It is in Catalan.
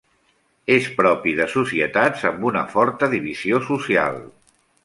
És propi de societats amb una forta divisió social.